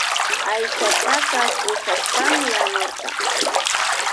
Aychataka kushashpami yanurka